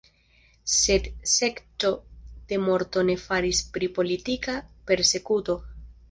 Sed sekco de morto ne faris pri politika persekuto.